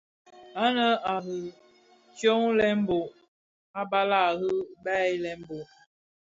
Ànë à riì tyông lëëgol, a balàg rì byey lëëgol.